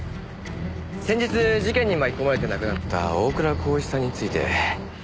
先日事件に巻き込まれて亡くなった大倉浩一さんについて。